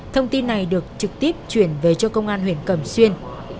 thông tin này được trực tiếp chuyển về cho công an huyện cẩm xuyên